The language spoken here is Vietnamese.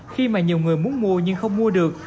khi mà nhiều người muốn mua nhưng không mua được